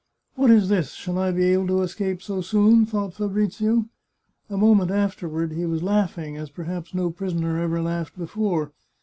" What is this ? Shall I be able to escape so soon ?" thought Fabrizio. A moment afterward he was laughing, as perhaps no prisoner ever laughed before.